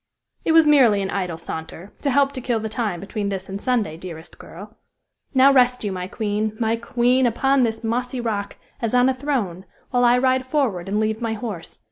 "It was merely an idle saunter, to help to kill the time between this and Sunday, dearest girl. Now, rest you, my queen! my queen! upon this mossy rock, as on a throne, while I ride forward and leave my horse.